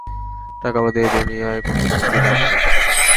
টাকা বাদে এ দুনিয়ায় কোনো কিছুরই দাম নেই।